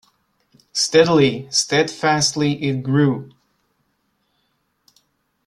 Steadily, steadfastly it grew.